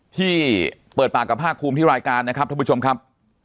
ที่เปิดปากกับภาคภูมิที่รายการนะครับท่านผู้ชมครับ